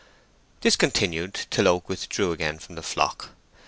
This continued till Oak withdrew again from the flock.